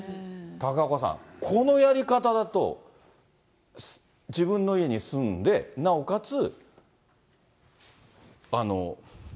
高岡さん、このやり方だと、自分の家に住んで、なおかつ